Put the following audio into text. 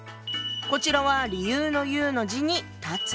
こちらは理由の「由」の字に「断つ」。